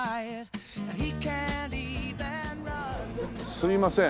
すいません。